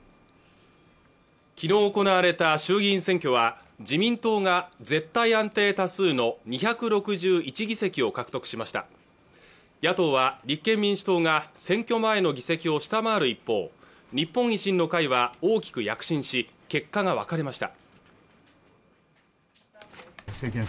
昨日行われた衆議院選挙は自民党が絶対安定多数の２６１議席を獲得しました野党は立憲民主党が選挙前の議席を下回る一方日本維新の会は大きく躍進し結果が分かれました